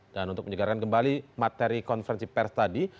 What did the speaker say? dan untuk menyegarkan kembali materi konferensi pers tadi